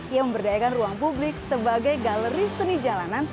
ia memberdayakan ruang publik sebagai galeri seni jalanan